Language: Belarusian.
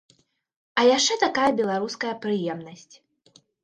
А яшчэ такая беларуская прыемнасць.